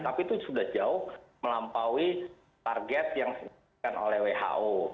tapi itu sudah jauh melampaui target yang diberikan oleh who